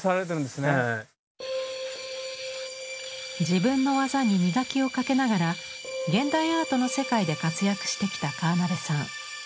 自分の技に磨きをかけながら現代アートの世界で活躍してきた川邉さん。